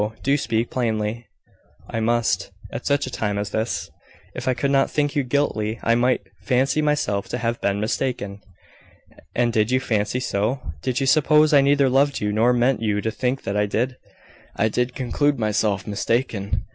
do speak plainly." "I must, at such a time as this. If I could not think you guilty, I might fancy myself to have been mistaken." "And did you fancy so? Did you suppose I neither loved you, nor meant you to think that I did?" "I did conclude myself mistaken."